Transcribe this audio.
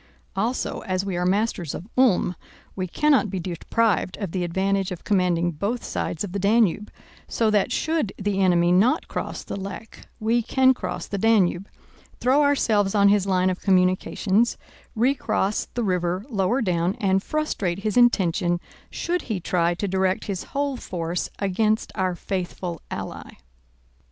Also, as we are masters of Ulm, we cannot be deprived of the advantage of commanding both sides of the Danube, so that should the enemy not cross the Lech, we can cross the Danube, throw ourselves on his line of communications, recross the river lower down, and frustrate his intention should he try to direct his whole force against our faithful ally.